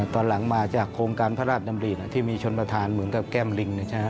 ตอนหลังมาจากโครงการพระราชดำริที่มีชนประธานเหมือนกับแก้มลิง